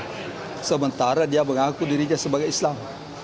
dan sementara dia mengaku dirinya sebagai islam